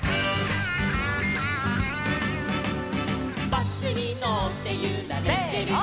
「バスにのってゆられてる」せの！